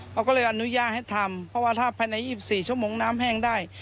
เขาก็เลยอนุญาตให้ทำเพราะว่าถ้าภายใน๒๔ชั่วโมงน้ำแห้งได้